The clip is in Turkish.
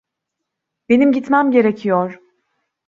Benim gitmem gerekiyor.